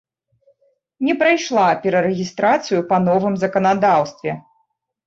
Не прайшла перарэгістрацыю па новым заканадаўстве.